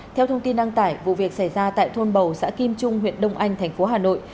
theo thông tin đăng tải vụ việc xảy ra tại thôn bầu xã kim trung huyện đông anh thành phố hà nội